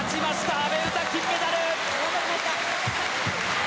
阿部詩、金メダル！